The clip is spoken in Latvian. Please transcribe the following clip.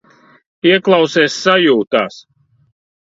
Ieklausies sajūtās.